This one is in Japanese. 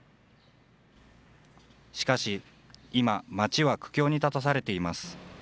しかし、今、街は苦境に立たされています。